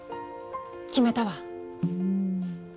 決めたわ！